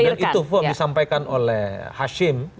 dan itu disampaikan oleh hashim